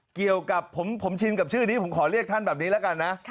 เกี่ยวกับผมชินกับชื่อนี้ผมขอเรียกท่านแบบนี้แล้วกันนะ